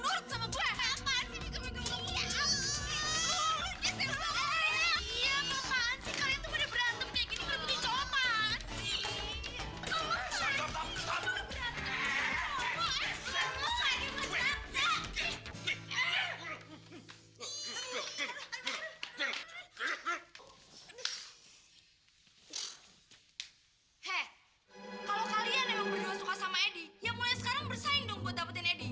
berdua suka sama edi yang mulai sekarang bersaing dong buat dapetin edi